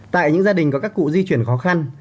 tại những gia đình có các cụ di chuyển khó khăn